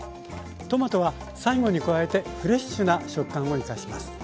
トマトは最後に加えてフレッシュな食感を生かします。